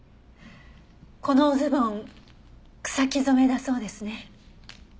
このズボン草木染めだそうですね。